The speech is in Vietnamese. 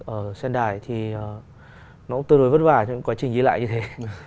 ở sendai thì nó cũng tương đối vất vả trong những quá trình diễn lại như thế